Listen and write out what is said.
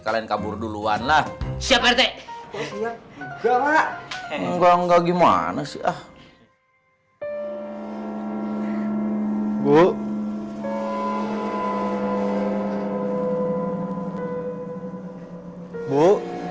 kalian kabur duluan lah seperti enggak enggak enggak gimana sih ah bu bu